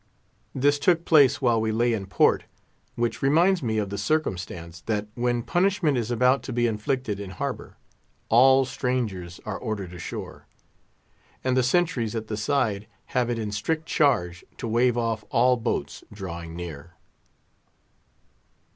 This took place while we lay in port, which reminds me of the circumstance, that when punishment is about to be inflicted in harbour, all strangers are ordered ashore; and the sentries at the side have it in strict charge to waive off all boats drawing near.